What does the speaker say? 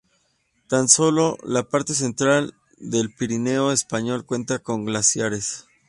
Tan sólo la parte central del Pirineo español cuenta con glaciares.